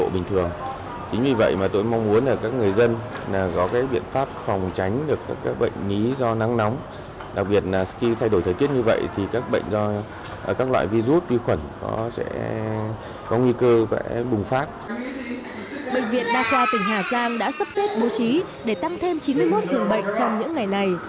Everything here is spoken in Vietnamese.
bệnh viện đa khoa tỉnh hà giang đã sắp xếp bố trí để tăng thêm chín mươi một dường bệnh trong những ngày này